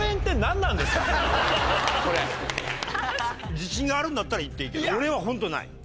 自信があるんだったらいっていいけど俺はホントない。